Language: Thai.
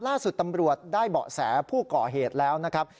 ล่าสุดตำรวจได้เบาะแสผู้ก่อเหตุแล้วนะครับ